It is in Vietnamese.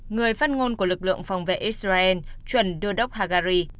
người phát ngôn của lực lượng phòng vệ israel chuẩn đô đốc hagari